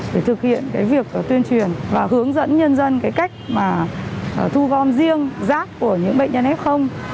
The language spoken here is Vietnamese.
để thực hiện việc tuyên truyền và hướng dẫn nhân dân cách thu gom riêng rác của những bệnh nhân f